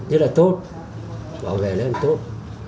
rất là tốt bảo vệ rất là tốt